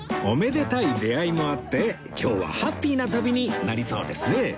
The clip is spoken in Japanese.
おめでたい出会いもあって今日はハッピーな旅になりそうですね